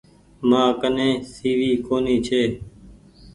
مآ ڪني سي وي ڪونيٚ ڇي۔